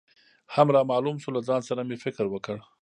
هم رامعلوم شو، له ځان سره مې فکر وکړ.